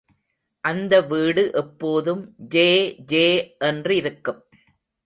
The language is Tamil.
அந்த வீடு எப்போதும் ஜே ஜே என்றிருக்கும்.